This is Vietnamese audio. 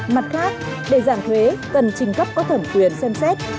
mặt khác để giảm thuế cần trình cấp có thẩm quyền xem xét